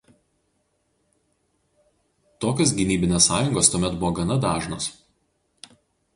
Tokios gynybinės sąjungos tuomet buvo gana dažnos.